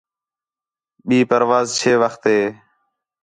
ٻئی پرواز چھے وخت ہے؟